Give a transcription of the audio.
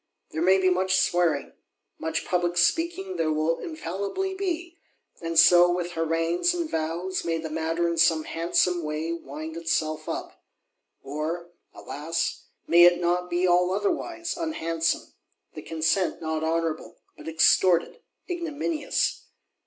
There may be much swearing; much public speaking there will infallibly be: and so, with harangues and vows, may the matter in some handsome way, wind itself up. Or, alas, may it not be all otherwise, unhandsome: the consent not honourable, but extorted, ignominious?